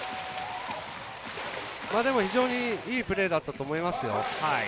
でも非常にいいプレーだったと思いますよ。